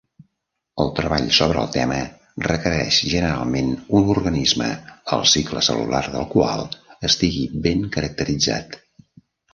El treball sobre el tema requereix generalment un organisme el cicle cel·lular del qual estigui ben caracteritzat.